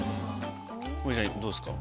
王林さんどうですか？